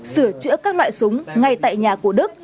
sửa chữa các loại súng ngay tại nhà của đức